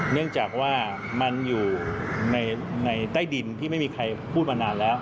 เนื่องจากว่ามันอยู่ในใต้ดินที่ไม่มีใครพูดมานานแล้ว